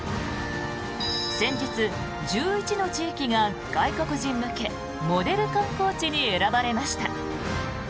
先日、１１の地域が外国人向けモデル観光地に選ばれました。